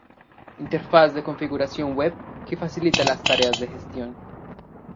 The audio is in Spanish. Interfaz de configuración web que facilita las tareas de gestión.